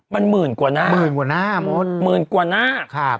มันหมื่นกว่าหน้าหมื่นกว่าหน้ามดหมื่นกว่าหน้าครับ